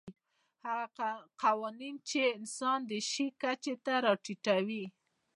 هغه قوانین چې انسان د شي کچې ته راټیټوي.